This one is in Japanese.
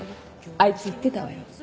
あいつ言ってたわよ。